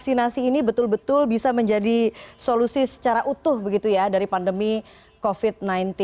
sehingga program vaksinasi ini betul betul bisa menjadi solusi secara utuh dari pandemi covid sembilan belas